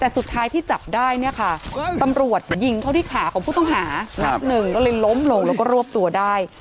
แต่สุดท้ายที่จับได้เนี่ยค่ะตำรวจยิงเข้าที่ขาของผู้ต้องหานัดหนึ่งก็เลยล้มลงแล้วก็รวบตัวได้